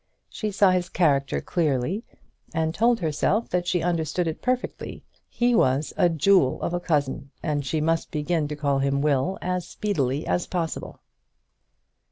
She saw his character clearly, and told herself that she understood it perfectly. He was a jewel of a cousin, and she must begin to call him Will as speedily as possible.